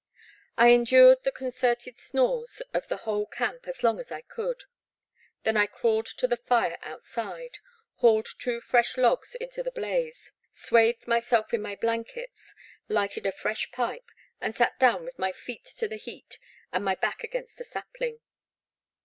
I endured the concerted snores of the whole camp as long as I could, then I crawled to the fire outside, hauled two fresh logs into the blaze, swathed myself in my blankets, lighted a fresh pipe, and sat down with my feet to the heat and my back against a sapling.